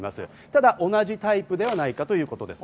ただ同じタイプではないかということです。